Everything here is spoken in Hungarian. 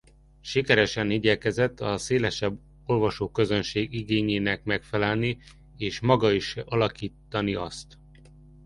Sikeresen igyekezett a szélesebb olvasóközönség igényének megfelelni és maga is alakítani azt.